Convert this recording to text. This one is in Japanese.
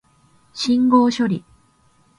信号処理